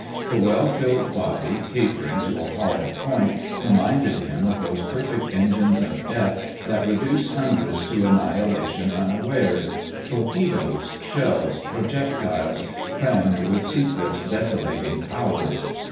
The well filled body, tapering to a horrid point, reminded him of those perfect engines of death that reduce hundreds to annihilation unawares torpedoes, shells, projectiles, crammed with secret, desolating powers.